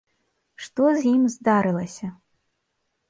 Што з ім здарылася?